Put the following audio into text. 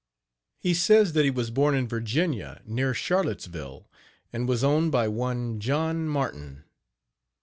He says that he was born in Virginia, near Charlottesville, and was owned by one John Martin.